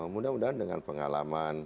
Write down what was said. mudah mudahan dengan pengalaman